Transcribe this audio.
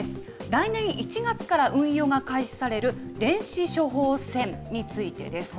来年１月から運用が開始される電子処方箋についてです。